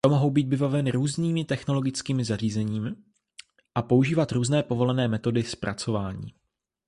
Ty mohou být vybaveny různým technologickým zařízením a používat různé povolené metody zpracování.